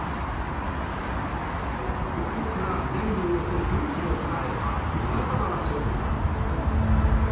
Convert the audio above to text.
東京から南におよそ１０００ｋｍ離れた小笠原諸島。